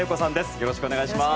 よろしくお願いします。